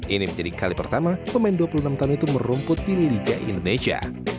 ini menjadi kali pertama pemain dua puluh enam tahun itu merumput di liga indonesia